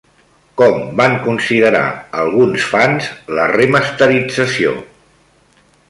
Com van considerar alguns fans la remasterització?